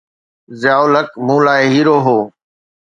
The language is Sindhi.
ضياءُ الحق مون لاءِ هيرو هو.